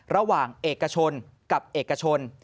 ระหว่างเอกชนกับเอกชน